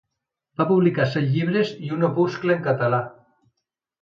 Va publicar set llibres i un opuscle en català.